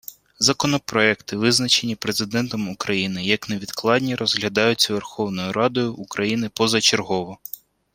Законопроекти, визначені Президентом України як невідкладні, розглядаються Верховною Радою України позачергово.